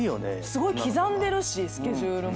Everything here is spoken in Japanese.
すごい刻んでるしスケジュール。